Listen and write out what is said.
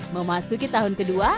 memasuki tahun ke dua